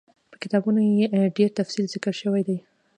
په کتابونو کي ئي ډير تفصيل ذکر شوی دی